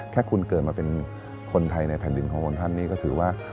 ถ้าคุณเกิดมาเป็นคนไทยในแผ่นดินขององค์ท่านนี่ก็ถือว่า